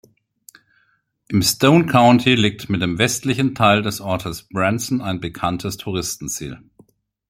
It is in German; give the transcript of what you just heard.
Im Stone County liegt mit dem westlichen Teil des Ortes Branson ein bekanntes Touristenziel.